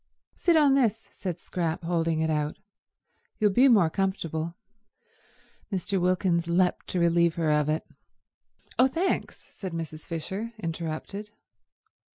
"Sit on this," said Scrap, holding it out. "You'll be more comfortable." Mr. Wilkins leapt to relieve her of it. "Oh, thanks," said Mrs. Fisher, interrupted.